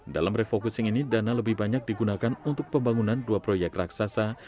dalam refocusing ini dana lebih banyak digunakan untuk pembangunan dua proyek raksasa